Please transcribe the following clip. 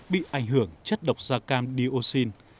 bị ảnh hưởng chất độc da cam dioxin